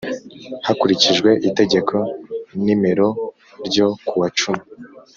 Hakurikijwe itegeko nimero ryo kuwa cumi.